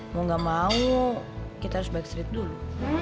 mau gak mau kita harus backstreet dulu